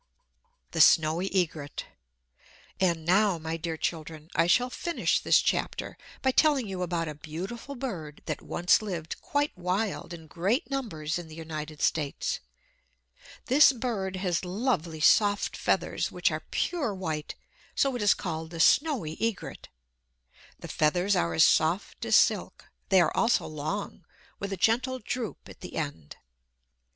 The Snowy Egret And now, my dear children, I shall finish this chapter by telling you about a beautiful bird that once lived quite wild in great numbers in the United States. This bird has lovely soft feathers, which are pure white; so it is called the snowy egret. The feathers are as soft as silk. They are also long, with a gentle droop at the end.